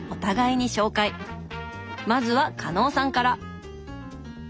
まずは加納さんから！